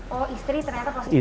oh istri ternyata positif